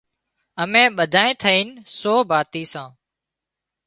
اَمين ٻڌانئين ٿئينَ سو ڀاتِي سان۔